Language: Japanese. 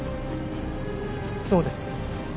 そうです。